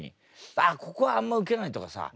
「ああここはあんまウケない」とかさ。